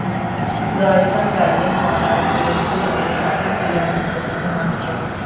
ডয়সন ডারুইন-মতাবলম্বিগণের হাতে ক্রীড়াপুত্তলিকা মাত্র।